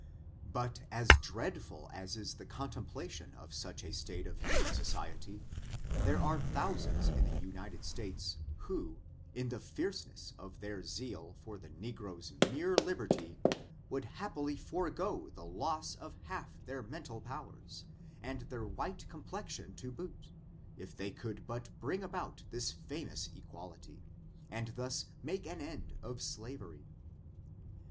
But as dreadful as is the contemplation of such a state of human society, there are thousands in the United States, who, in the fierceness of their zeal, for the negroes' mere liberty, would happily forego the loss of half their mental powers, and their white complexion to boot, if they could but bring about this famous equality, and thus make an end of sla very.